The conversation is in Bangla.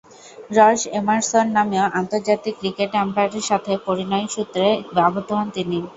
রস এমারসন নামীয় আন্তর্জাতিক ক্রিকেট আম্পায়ারের সাথে পরিণয়সূত্রে আবদ্ধ হন তিনি।